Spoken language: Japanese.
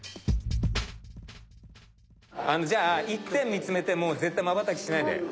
じゃあ一点見つめてもう絶対まばたきしないで。